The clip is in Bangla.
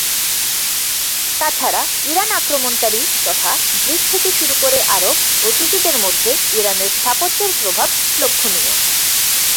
তাছাড়া ইরান আক্রমণকারী তথা গ্রিক থেকে শুরু করে আরব ও তুর্কিদের মধ্যে ইরানের স্থাপত্যের প্রভাব লক্ষ্যণীয়।